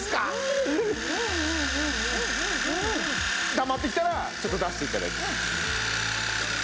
たまってきたらちょっと出して頂いて。